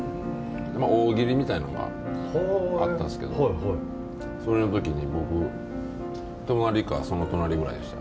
大喜利みたいなのがあったんですけどその時に僕隣かその隣ぐらいでした。